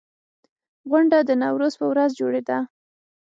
غونډه د نوروز په ورځ جوړېده.